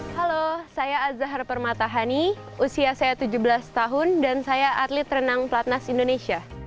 halo saya azahar permatahani usia saya tujuh belas tahun dan saya atlet renang platnas indonesia